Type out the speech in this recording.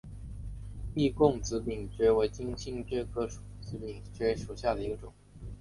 易贡紫柄蕨为金星蕨科紫柄蕨属下的一个种。